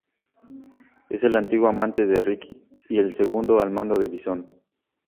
Es el antiguo amante de Riki y el segundo al mando de Bison.